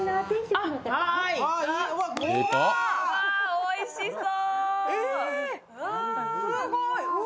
うわ、おいしそう。